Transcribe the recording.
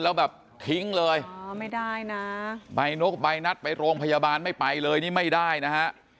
แล้วแบบทิ้งเลยอ๋อไม่ได้นะใบนกใบนัดไปโรงพยาบาลไม่ไปเลยนี่ไม่ได้นะฮะ